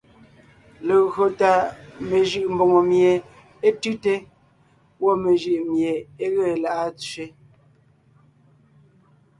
Legÿo tà mejʉʼ mbòŋo mie é tʉ́te; gwɔ́ mejʉʼ mié é ge lá’a tsẅé.